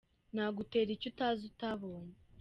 Nagutera icyo utazi utabonye.